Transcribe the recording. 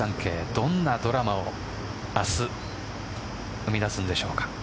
どんなドラマを明日生み出すんでしょうか。